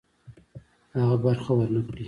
هغه برخه ورنه کړي.